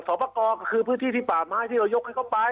สอบประกอบก็คือพื้นที่ที่ป่าไม้ที่เรายกให้เขาไป